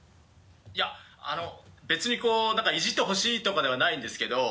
いや別にこうイジってほしいとかではないんですけど。